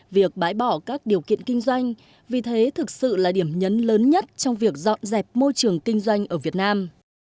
việc bãi bỏ các điều kiện kinh doanh vì thế thực sự là điểm nhấn lớn nhất trong việc dọn dẹp môi trường kinh doanh ở việt nam